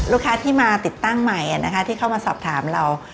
ลูกค้าที่มาติดตั้งใหม่ที่เข้ามาสอบถามเรา